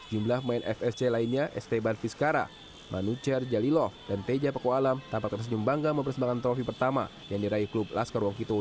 jumlah pemain fsc lainnya esteban vizcara manucer jalilov dan teja pakualam tampak tersenyum bangga mempersembahkan trofi pertama yang diraih klub laskarwongkito di dua ribu delapan belas